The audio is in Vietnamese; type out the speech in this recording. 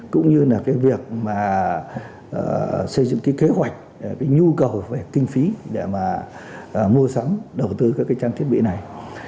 cũng như việc xây dựng kế hoạch nhu cầu về kinh phí để mua sẵn đầu tư các trang thiết bị này